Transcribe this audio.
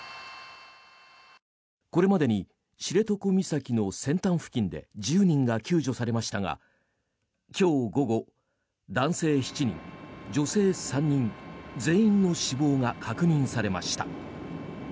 これまでに知床岬の先端付近で１０人が救助されましたが今日午後、男性７人、女性３人全員の死亡が確認されました。